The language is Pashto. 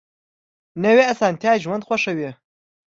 نوې اسانتیا ژوند خوږوي